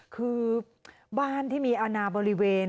คือบ้านที่มีอาณาบริเวณ